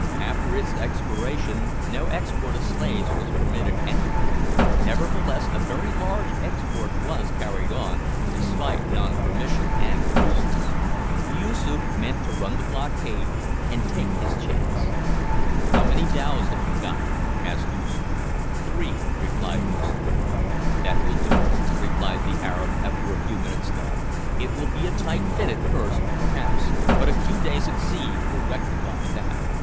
After its expiration no export of slaves was permitted anywhere; nevertheless a very large export was carried on, despite non permission and cruisers. Yoosoof meant to run the blockade and take his chance. "How many dhows have you got?" asked Yoosoof. "Three," replied Moosa. "That will do," returned the Arab after a few minutes' thought; "it will be a tight fit at first, perhaps, but a few days at sea will rectify that.